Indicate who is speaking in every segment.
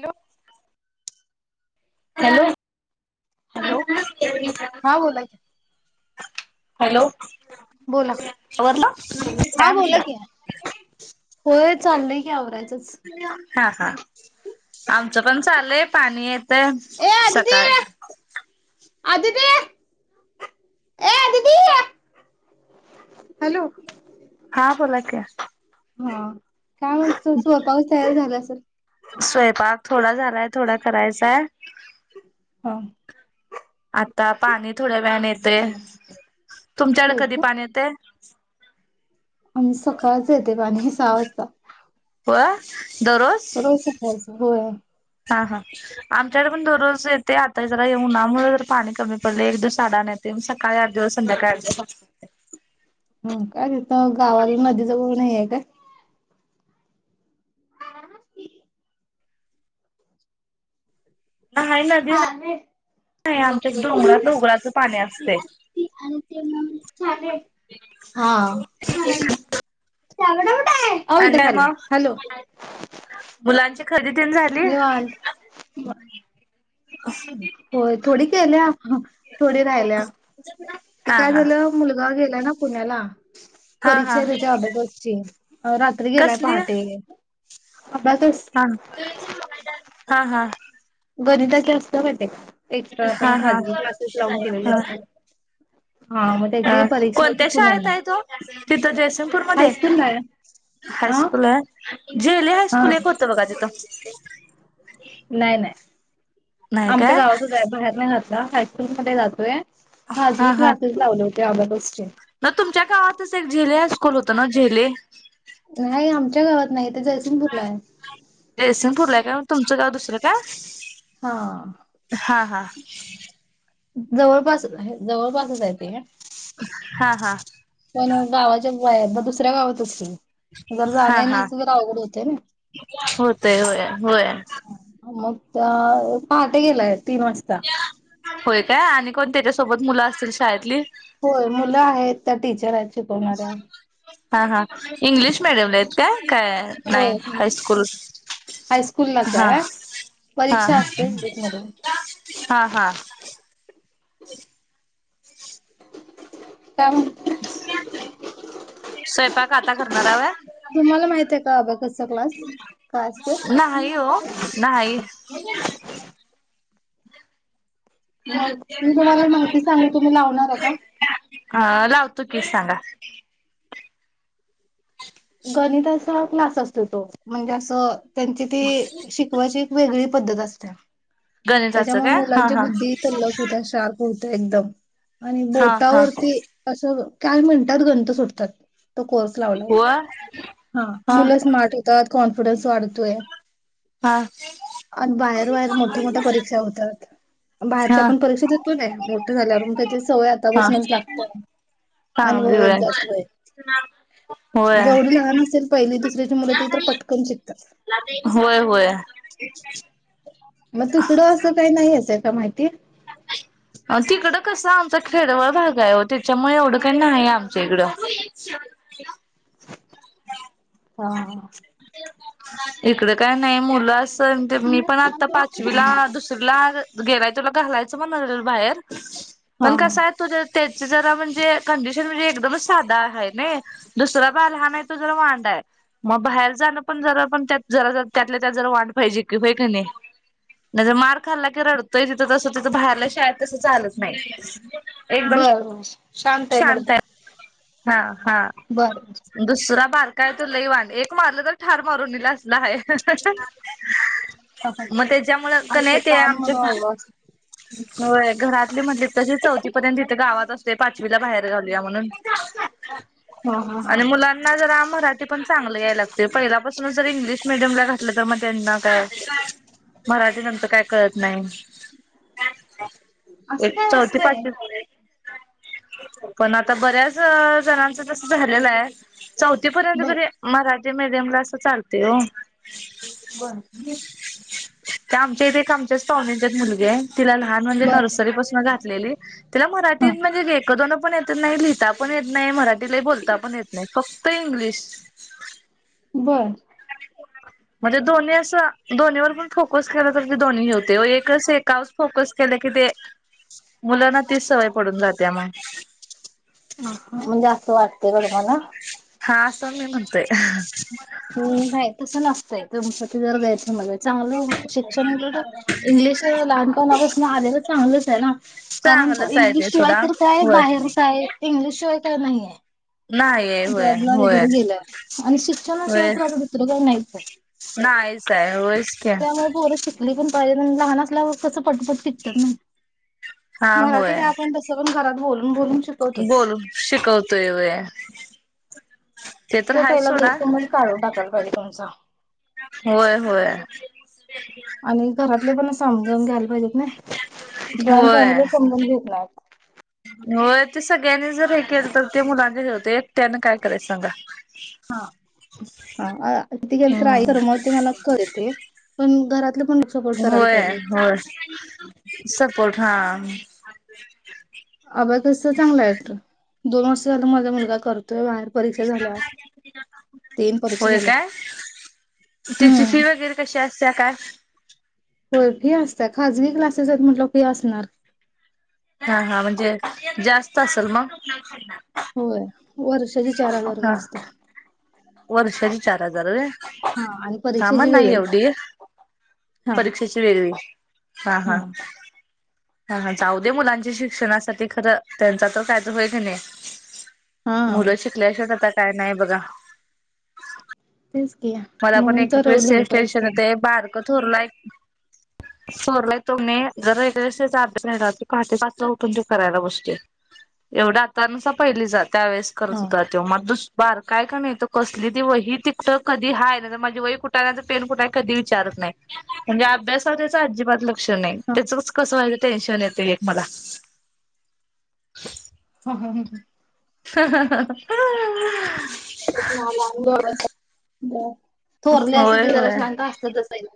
Speaker 1: Hello.
Speaker 2: Hello
Speaker 1: hello
Speaker 2: [unintelligible]
Speaker 1: हा बोला की
Speaker 2: हॅलो
Speaker 1: बोला
Speaker 2: आवरल
Speaker 1: हा
Speaker 2: काय
Speaker 1: बोला
Speaker 2: म्हटलं.
Speaker 1: की होय चालायला.
Speaker 2: [unintelligible] हा हा आमचं पण चालायला पाणी येतय
Speaker 1: ए आदिती
Speaker 2: सकाळ.
Speaker 1: आदिती ऐ आदिती. हॅलो.
Speaker 2: हा बोला की.
Speaker 1: हा काय म्हणतीस स्वयंपाक तयार झाला असल.
Speaker 2: स्वयंपाक थोडा झालाय थोडा करायचाय.
Speaker 1: हां
Speaker 2: आता पाणी थोड्या वेळने येतंय, तुमच्याकडे
Speaker 1: होय
Speaker 2: कधी
Speaker 1: का
Speaker 2: पाणी येते?
Speaker 1: आमच सकाळच येते पाणी सहा वाजता.
Speaker 2: होय दररोज.
Speaker 1: रोज सकाळच? होय.
Speaker 2: हा हा आमच्याकडे पण दररोज येतं. ते आता जरा उन्हामुळे जर पाणी कमी पडले एक, दिवस अडाणी येते सकाळी आठ दिवस संध्याकाळी आठ दिवस.
Speaker 1: हो काय तिथ, गावाला नदी जवळ नाही आहे का? [unintelligible]
Speaker 2: नाही नदी
Speaker 1: हा
Speaker 2: आमच्या, डोंगरात डोंगराच पाणी असते. [inaudible]
Speaker 1: हा खरंच [unintelligible] कुठे आहे. अग
Speaker 2: आणि
Speaker 1: तिथं
Speaker 2: काय
Speaker 1: खाली,
Speaker 2: मग
Speaker 1: हॅलो.
Speaker 2: मुलांची खरेदी तेण झाली?
Speaker 1: निवांत होय थोडी केल्या, थोडी राहिल्या, ते
Speaker 2: हा
Speaker 1: काय
Speaker 2: हा
Speaker 1: झालं. मुलगा गेलाय ना पुण्याला.
Speaker 2: हा
Speaker 1: परीक्षा
Speaker 2: हा
Speaker 1: आहे त्याच्या अभकसची, रात्री गेलाय
Speaker 2: कसली हा
Speaker 1: पहाटे अभाकस.
Speaker 2: [inaudible] हा - हा.
Speaker 1: [inaudible] आपण
Speaker 2: हा- हा-
Speaker 1: खाजगी क्लासेस लावून केलेले
Speaker 2: हा.
Speaker 1: असतात हा मग
Speaker 2: अ
Speaker 1: त्याची परीक्षा होती
Speaker 2: कोणत्या शाळेत
Speaker 1: पुण्याला
Speaker 2: आहे तो? तिथं जयसिंगपूरमध्ये?
Speaker 1: हायस्कूलला आहे अ
Speaker 2: हायस्कूल आहे जेली
Speaker 1: हा
Speaker 2: हायस्कूल एक होतं बघा तिथं.
Speaker 1: नाही- नाही.
Speaker 2: नाही
Speaker 1: आमच्या
Speaker 2: काय
Speaker 1: गावातच आहे बाहेर नाही घातला हायस्कूल मध्ये जातोय हाज
Speaker 2: हा
Speaker 1: मी
Speaker 2: हा
Speaker 1: क्लासेस लावले होते आल्या अबकॉस चे.
Speaker 2: ना तुमच्या गावातच एक झेले स्कूल होतं ना झेले?
Speaker 1: नाही. आमच्या गावात नाही ते जयसिंगपूर ला आहे.
Speaker 2: जयसिंगपूरला आहे का तुमचं गाव दुसरं का?
Speaker 1: हा.
Speaker 2: हा -हा.
Speaker 1: जवळपास आहे जवळपासच आहे ते.
Speaker 2: हा -हा.
Speaker 1: पण गावाच्या बाहेर दुसऱ्या गावात असतील? जरा जाण
Speaker 2: हा हा
Speaker 1: येण्याच जर अवघड होते ना.
Speaker 2: होतय होय होय
Speaker 1: मग पहाटे गेलाय तीन वाजता.
Speaker 2: होय काय आणि कोण त्याच्यासोबत मुलं असतील शाळेतली?
Speaker 1: होय मुलं आहेत त्या टीचर आहेत शिकवणाऱ्या.
Speaker 2: हा - हा इंग्लिश मीडियमला का काय
Speaker 1: होय
Speaker 2: नान हायस्कूल?
Speaker 1: हायस्कूललाच
Speaker 2: हा
Speaker 1: आहे
Speaker 2: हा
Speaker 1: परीक्षा असते स्ट मधून.
Speaker 2: हा -हा.
Speaker 1: काय मग.
Speaker 2: स्वयंपाक आता करणार हव?
Speaker 1: तुम्हाला माहित आहे का अबकस क्लास काय असते?
Speaker 2: नाही हो नाही.
Speaker 1: मग मी तुम्हाला माहिती सांगू तुम्ही लावणार आहे का?
Speaker 2: ह लावतो की सांगा.
Speaker 1: गणिताचा क्लास असतो तो म्हणजे अस त्यां ते शी शिकवाची एक वेगळी पद्धत असते.
Speaker 2: गणिताचं काय
Speaker 1: त्याच्यामुळे
Speaker 2: हा
Speaker 1: मुलांची
Speaker 2: हा
Speaker 1: बुद्धी तल्लक होत्या शार्प. होत एकदम आणि
Speaker 2: हा हा
Speaker 1: बोटावरती असं काय मिनटात गणित सोडतात. तो कोर्स लावल्यावर.
Speaker 2: [inaudible]
Speaker 1: हा
Speaker 2: हा
Speaker 1: मुलं स्मार्ट होतात कॉन्फिडन्स वाढतोय.
Speaker 2: हा
Speaker 1: आणि बाहेर- बाहेर मोठ्या- मोठ्या परीक्षा होतात. बाहेरची
Speaker 2: हा
Speaker 1: आपण परीक्षा देतलो ना मोठे झाल्यावर त्याची सवय आता
Speaker 2: हा
Speaker 1: बसूनच लागते अनुभव येतात होय.
Speaker 2: [inaudible]
Speaker 1: जेवढे लहान असेल, पहिली दुसरीचे मुलं ते तर पटकन शिकतात.
Speaker 2: होय होय होय
Speaker 1: मग तिकडं असं काही नाही येतंय का माहिती?
Speaker 2: तिकडं कस आमचा खेडवळ भाग आहे हो. त्याच्यामुळे एवढं काही नाहीय आमच्या इकडं.
Speaker 1: हा.
Speaker 2: इकड काय नाही मुलं मी पण आता
Speaker 1: हा
Speaker 2: पाचवीला दुसरीला गेलाचय. काल जायच म्हणत होते बाहेर पण
Speaker 1: हा
Speaker 2: कसय. तुझा स्टेजची जरा म्हणजे कंडिशन म्हणजे एकदमच साधा आहे नाय. दुसरा बाल हा नाही. तो जरा वांड हाय. मग बाहेर जाणं पण जरा पण त्या जरा त्यातल्या, त्यात जरा वाट पाहिजे की होय का नाही. त्याच जर मार खाल्ला की, रडतोय तिथं तसं तिथं! बाहेरला शाळेत तसं चालत नाही. एकदम
Speaker 1: बरं बर शांत आहे मुलगा!
Speaker 2: हा हा! !
Speaker 1: बर! ! -
Speaker 2: अन दुसरा! ! बारकाय तो लैवान एक मारलं तर ठार मारून येइल असला हाय ह हः!
Speaker 1: हा हा
Speaker 2: मग त्याच्यामुळच की
Speaker 1: असं
Speaker 2: नाही, ते
Speaker 1: लहान
Speaker 2: आमच्या!
Speaker 1: मुलं हवं असं !
Speaker 2: होय. घरातले म्हटले तशी चौथी पर्यंत इथे गावात असु द!. पाचवीला बाहेर घालूया म्हणून.
Speaker 1: हा हा हा
Speaker 2: आणि मुलानां! ! कसहाय जरा मराठी पण चांगलं यायला लागतंय, पहिल्यापासूनच जर इंग्लिश मिडियम ला घातलं, तर मग त्यांना काय. मराठी नंतर काय कळत नाही की?
Speaker 1: असं
Speaker 2: एक
Speaker 1: काय
Speaker 2: चौथी
Speaker 1: असतंय
Speaker 2: पाचवी. पण आता बऱ्याच जणांच तस झालेलं आहे. चौथी पर्यंत
Speaker 1: बर
Speaker 2: तरी मराठी मिडियमला असं! चालतंय हो! !
Speaker 1: बरं! !
Speaker 2: [inaudible] त्या आमच्या इथे एक आमच्या कॉलनीत एक मुलगी आहे. तिला लहान म्हणजे
Speaker 1: बर
Speaker 2: नर्सरी पासन घातलेली तिला
Speaker 1: हा
Speaker 2: मराठीत म्हणजे एक दोनं पण येत नाही! लिहिता पण येत नाही! मराठीला बोलता पण येत नाही! फक्त फक्त इंग्लिश! !
Speaker 1: बरं! !
Speaker 2: म्हणजे दोन्ही असं, दोन्ही वर पण फोकस करत. मगतेदोन्ही होते. एक एक एकावरच फोकस केलं की, ते मुलांना तीच सवय पडून जातीया मग
Speaker 1: म्हणजे असं वाटतेय का तुम्हाला?
Speaker 2: हा! आस मी म्हणतोय!
Speaker 1: हम नाही तसं नसतंय! तुमच जर गैर जायायचं हाय! चांगलंय शिक्षण उलट इंग्लिश लहानपणापासून आलेल तर चांगलच आहे ना? कारण
Speaker 2: चांगलंच आहे ते
Speaker 1: इंग्लिशशिवाय
Speaker 2: सोडा
Speaker 1: तर काय?
Speaker 2: होय
Speaker 1: बाहेर काय इंग्लिशशिवाय काय नाहीये?
Speaker 2: नाहीये! !
Speaker 1: जॉबला वैगेरे गेलं, आणि शिक्षणाशिवाय तर आता दुसरं काही नाहीचये?
Speaker 2: नाहीचये. होयच की?
Speaker 1: त्यामुळं पोर शिकली पण पाहिजे, लहान असल्यावर तस पटपट शिकतात नाही,
Speaker 2: हा
Speaker 1: मराठी काय
Speaker 2: होय
Speaker 1: आपण तसं पण घरात बोलून बोलून शिकतो.
Speaker 2: बोलून शिकवतोय होय! !
Speaker 1: तो पहिला गैरसमन च तुम्हाला काढून टाकायला पाहिजे तुमचा!
Speaker 2: होय! होय! !
Speaker 1: आणि घरातले पण समजून घ्यायला पाहिजेत ना? जॉईंट फॅमिली समजून घेत नाहीत.
Speaker 2: हो ते सगळ्यांनी जर हे केलं, तर ते मुलांचे ठेवते. त्यान काय करायचं सांगा?
Speaker 1: हा! हा तिथ गेलं! तर, आई कर
Speaker 2: हम्म
Speaker 1: म्हणते, मला करते. पण घरातलं पण! !
Speaker 2: होय! होय! सपोर्ट हा! !
Speaker 1: अब्यकस चांगला आहे दोन वर्ष झालं माझा मुलगा करतोय बाहेर परीक्षा झाल्या तीन परीक्षा
Speaker 2: होय
Speaker 1: झाल्या.
Speaker 2: काय त्याची
Speaker 1: हम्म
Speaker 2: फी वगैरे कशी असत्या काय.
Speaker 1: हो फी असत्या. खाजगी क्लासेस आहेत म्हटल्यावर फी असणार.
Speaker 2: हा हा म्हणजे जास्त असेल मग.
Speaker 1: होय वर्षाची चार हजार
Speaker 2: हा
Speaker 1: रुपये असत्या
Speaker 2: वर्षांची चार हजार व्हयं.
Speaker 1: हा आणि
Speaker 2: हा मग
Speaker 1: परीक्षेची
Speaker 2: नाही
Speaker 1: वेगळी
Speaker 2: एवढी.
Speaker 1: हा
Speaker 2: परीक्षेची वेगळी हा हा हा जाऊद्या मुलांच्या शिक्षणासाठी खरं त्यांचा तर कायच होय क नाही
Speaker 1: हा
Speaker 2: मुलं शिकल्याशेठ आता काय नाही बघा
Speaker 1: तेच की हा
Speaker 2: मला पण एक एक वेळेस तेच टेन्शन येत बारक थोरल आहे की थोरलाय तो कणी जर एखाद्या विषयाचा अभ्यास राहिला तर पहाटे पाचला ऊठुन होत करायला बसतोय एवढा आतानुस पहिलीला जात त्यावेेळेस करत
Speaker 1: हा
Speaker 2: होता तो मग दुस बारका आहे कणी कसलीही वही तिकटत कधी हा आहे माझं वही कुठ पेन कुठ आहे कधी विचारत नाही म्हणजे अभ्यासात त्याच अजिबात लक्ष नाही
Speaker 1: हा
Speaker 2: त्याचंच कसं व्हायं टेन्शन येते एक मला
Speaker 1: हम हं ह हम
Speaker 2: हम
Speaker 1: तुम्हाला अभ थोरले असते ते
Speaker 2: होय
Speaker 1: थोरलं जरा
Speaker 2: होय
Speaker 1: शांत असतातस एक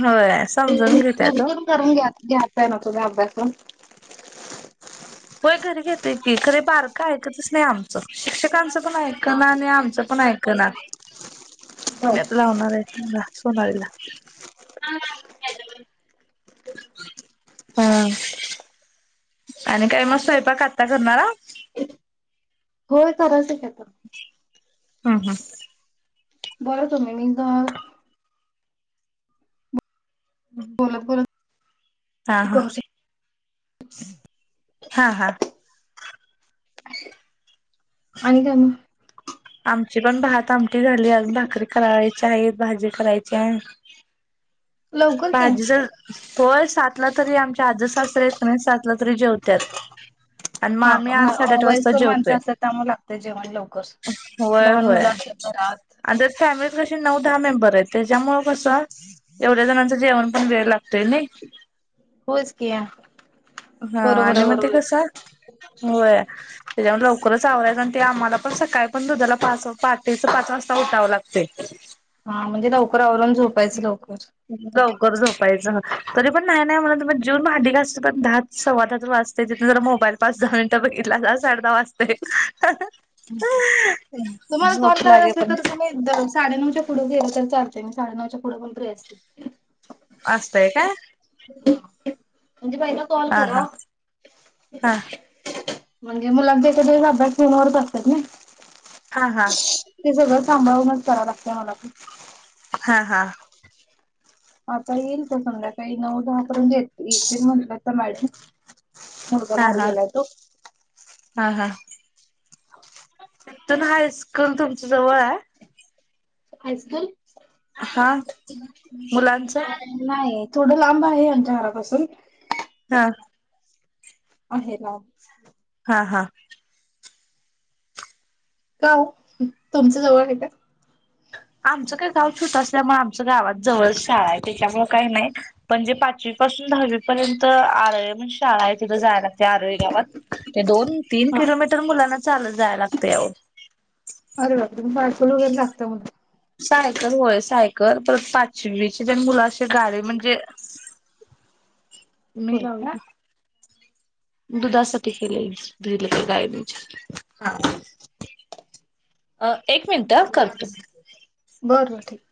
Speaker 2: होय समजून घेतात हो
Speaker 1: एकदम करून घ्या घ्या ना तुझ्या अभ्यासून
Speaker 2: होय घरी घेतोय की खरं बारक ऐकतच नाही आमचं शिक्षकांचं पण ऐकत ऐकना आणि आमचं पण ऐकना मी आता
Speaker 1: हा
Speaker 2: लावणार आहे ह सोनालीला हम आणि काय मग स्वयंपाक आतता करणारा
Speaker 1: होय करायचं की आता
Speaker 2: हा हा
Speaker 1: बरं तुम्ही मी तर बोलत बोलत
Speaker 2: हा हा
Speaker 1: करू शकते [unintelligible]
Speaker 2: हा हा
Speaker 1: आणि काय मग
Speaker 2: आमची पण भात आमटी झाली अजुन भाकरी करायची आहेत भाजी करायची आहे
Speaker 1: लवकर की
Speaker 2: भाजीच होय सातला तरी आमच्या आजे सासरे आहे की नाही सातला तरी जेवत्यात आणि मग आम्ही आठ
Speaker 1: हा
Speaker 2: साडेआठ वाजता
Speaker 1: वयस्कर माणसं
Speaker 2: जेवतोय
Speaker 1: असत्यात त्यामुळे लागत जेवण लवकर
Speaker 2: होय
Speaker 1: लहान मुलं
Speaker 2: होय.
Speaker 1: असली तर घरात
Speaker 2: आणि त्या फॅमिलीत कशी नऊ दहा मेंबर आहेत त्यांच्यामुळे कसं एवढ्या जणांचं जेवण पण वेळ लागतंय नाही
Speaker 1: होयच की
Speaker 2: हा
Speaker 1: बरोबर
Speaker 2: आणि
Speaker 1: आहे
Speaker 2: मग ते
Speaker 1: बरोबर आहे.
Speaker 2: कसं होय त्यांच्यामुळे लवकरच आवराव ते आम्हाला पण सकाळी पण दुधाला पाच पाहाटेच पाच वाजता उठावं लागतंय
Speaker 1: हा म्हणजे लवकर आवरून झोपायचं लवकर
Speaker 2: लवकर झोपायचं तरी पण नाही नाही. म्हणत मनत जेवूण भांडी घासत पर्यत दहा सव्वा दहा वाजते. तिथून जरा मोबाईल पाच दहा मिनिटं बघितला त साडे दहा वाजते. झोप लागे पण
Speaker 1: एक साडेनऊच्या पुढे गेलं तर चालतेय मी साडेनऊच्या पुढे पण फ्री असते.
Speaker 2: असतय काय?
Speaker 1: म्हणजे पहिला एक कॉल
Speaker 2: हा हा
Speaker 1: करा.
Speaker 2: हा
Speaker 1: म्हणजे मुलांचा एखाद्या वेळेस अभ्यास केल्यावर करतात ना.
Speaker 2: हा हा
Speaker 1: ते सगळं सांभाळूनच करावं लागतं. मला पण
Speaker 2: हा हा
Speaker 1: आता येईल पण संध्याकाळी नऊ दहापर्यंत येेत म्हणतात त्या मॅडम मुलगा
Speaker 2: हा
Speaker 1: बाहेर
Speaker 2: हा
Speaker 1: गेलाय तो
Speaker 2: हा हा इथून हाय स्कूल तुमच्या जवळ आहे.
Speaker 1: हाय स्कूल
Speaker 2: हा मुलांचा
Speaker 1: नाही नाही थोडं लांब आहे. आमच्या घरापासून
Speaker 2: हा
Speaker 1: आहे लांब
Speaker 2: हा हा
Speaker 1: का ओ तुमच्या जवळ हे का!
Speaker 2: आमचं काय गाव छोटं असल्यामुळे आमच्या गावात जवळ शाळा आहे. त्याच्यामुळ काही नाही म्हणजे पाचवी पासून दहावी पर्यंत आरळी म्हणजे शाळा आहे तिथं जाय लागते. आरळी गावात ते दोन तीन
Speaker 1: हा
Speaker 2: किलो मीटर मुलांना चालत जायाय लागतय. अहो
Speaker 1: अरे बापरे पार्सल वगैरे लागतं. मग
Speaker 2: सायकल होय सायकल परत पाचवीची पण मुलं अशी गाडी म्हणजे मी
Speaker 1: होय का
Speaker 2: लावली. दुधासाठी खुले दुधले गाडीन अ एक मिनिट ह करते.
Speaker 1: बर बर ठीक